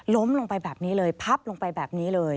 ลงไปแบบนี้เลยพับลงไปแบบนี้เลย